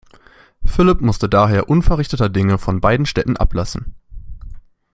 Philipp musste daher unverrichteter Dinge von beiden Städten ablassen.